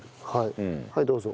はいどうぞ。